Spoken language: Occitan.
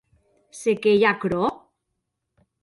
Se qué ei aquerò?